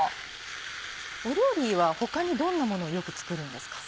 料理は他にどんなものをよく作るんですか？